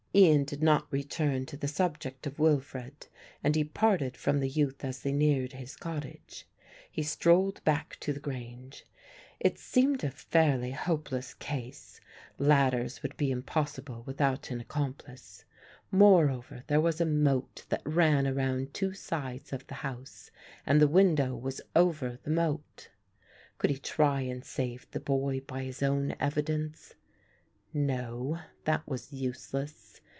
Ian did not return to the subject of Wilfred and he parted from the youth as they neared his cottage. He strolled back to the grange. It seemed a fairly hopeless case, ladders would be impossible without an accomplice; moreover there was a moat that ran around two sides of the house and the window was over the moat. Could he try and save the boy by his own evidence? No, that was useless.